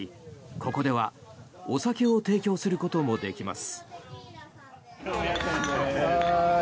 ここではお酒を提供することもできます。